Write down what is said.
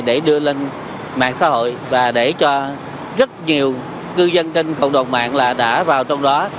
để đưa lên mạng xã hội và để cho rất nhiều cư dân trên cộng đồng mạng đã vào trong đó